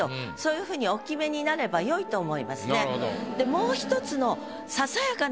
もう１つの。